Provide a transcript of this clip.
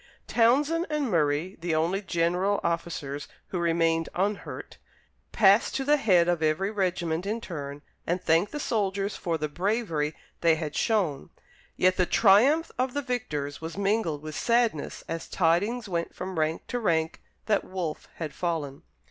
Townshend and Murray, the only general officers who remained unhurt, passed to the head of every regiment in turn and thanked the soldiers for the bravery they had shown; yet the triumph of the victors was mingled with sadness as tidings went from rank to rank that Wolfe had fallen.